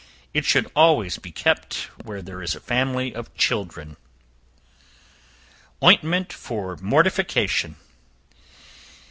It should always be kept where there is a family of children. Ointment for Mortification.